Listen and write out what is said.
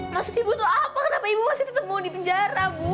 maksud ibu tuh apa kenapa ibu masih ditemukan di penjara bu